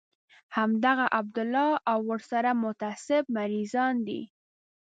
همدغه عبدالله او ورسره متعصب مريضان دي.